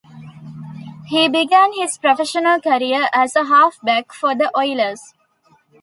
He began his professional career as a halfback for the Oilers.